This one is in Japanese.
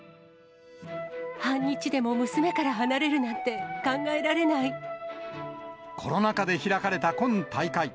半日でも娘から離れるなんてコロナ禍で開かれた今大会。